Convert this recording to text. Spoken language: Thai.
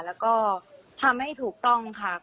แล้วก็ทำให้ถูกต้องค่ะ